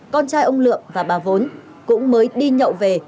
con trai ông lượng và bà vốn cũng mới đi nhậu về